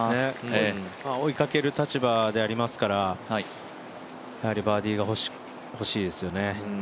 追いかける立場でありますから、やはりバーディーがほしいですよね。